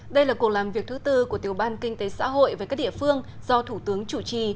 đây là cuộc làm việc thứ tư của tiểu ban kinh tế xã hội với các địa phương do thủ tướng chủ trì